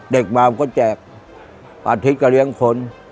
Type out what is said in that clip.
เด็กมามันก็แจกอาทิตย์ก็เลี้ยงคน